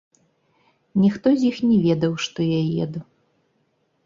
Ніхто з іх не ведаў, што я еду.